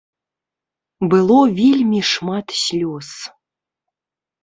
Было вельмі шмат слёз.